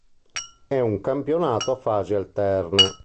È un campionato a fasi alterne.